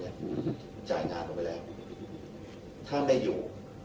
ก็ได้ไฟฟ้าเฉียบศูนย์เนี้ยจ่ายงานลงไปแล้วถ้าไม่อยู่